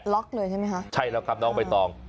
ล็อกเลยใช่ไหมครับใช่แล้วครับน้องไปต่อ